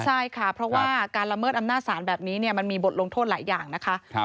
ใช่ค่ะเพราะว่าการละเมิดอำนาจศาลแบบนี้มันมีบทลงโทษหลายอย่างนะคะ